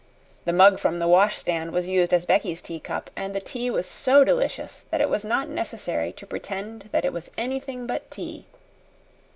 The mug from the washstand was used as Becky's tea cup, and the tea was so delicious that it was not necessary to pretend that it was anything but tea.